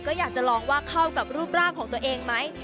ก็อยากจะลองว่าเข้ากับรูปร่างของตัวเองไหม